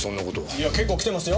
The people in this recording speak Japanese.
いや結構来てますよ。